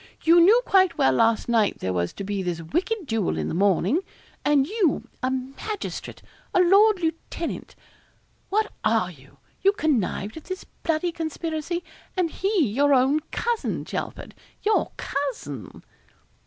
'You knew quite well last night there was to be this wicked duel in the morning and you a magistrate a lord lieutenant what are you? you connived at this bloody conspiracy and he your own cousin, Chelford your cousin!'